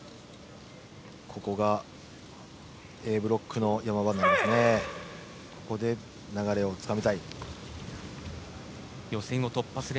ここがＡブロックの山場なんですね